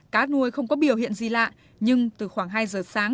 cá nuôi không có biểu hiện gì lạ nhưng từ khoảng hai giờ sáng